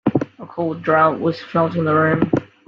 A cold drought was felt in the room.